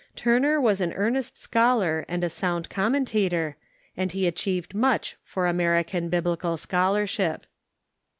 Turner was an earnest scholar and a sound commentator, and he achieved much for American Biblical scholarship.